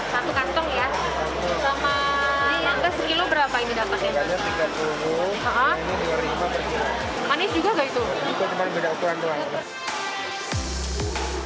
hai satu kantong ya sama